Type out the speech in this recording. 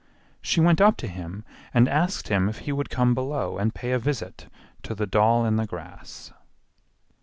She went up to him and asked him if he would come below and pay a visit to the doll in the grass.